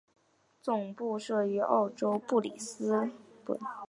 总部设于澳洲布里斯本。